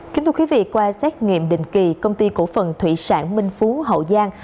kính thưa quý vị qua xét nghiệm định kỳ công ty cổ phần thủy sản minh phú hậu giang